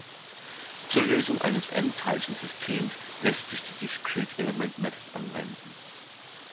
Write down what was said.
Zur Lösung eines N-Teilchensystems lässt sich die discrete element method anwenden.